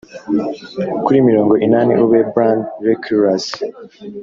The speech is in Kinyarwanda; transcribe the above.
kuri mirongo inani ube bland recluse